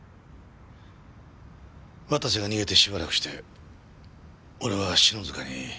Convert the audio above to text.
綿瀬が逃げてしばらくして俺は篠塚に会いに行った。